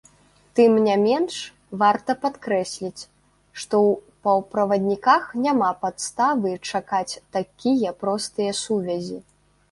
Тым не менш, варта падкрэсліць, што ў паўправадніках няма падставы чакаць такія простыя сувязі.